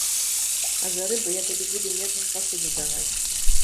А за рыбу я табе буду медную пасуду даваць.